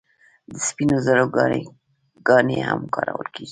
د سپینو زرو ګاڼې هم کارول کیږي.